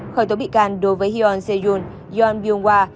khởi tố bị can đối với hyun se yoon yeon byung hwa